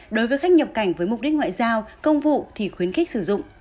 đối với khách nhập cảnh với mục đích ngoại giao công vụ thì khuyến khích sử dụng